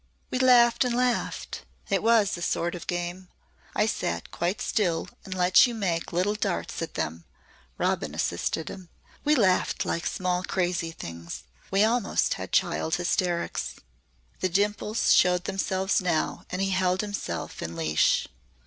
"We laughed and laughed. It was a sort of game. I sat quite still and let you make little darts at them," Robin assisted him. "We laughed like small crazy things. We almost had child hysterics." The dimples showed themselves now and he held himself in leash.